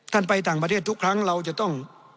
ไปต่างประเทศทุกครั้งเราจะต้อง